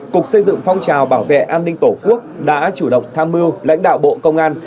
cục xây dựng phong trào bảo vệ an ninh tổ quốc đã chủ động tham mưu lãnh đạo bộ công an